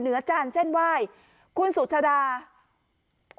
หญิงบอกว่าจะเป็นพี่ปวกหญิงบอกว่าจะเป็นพี่ปวก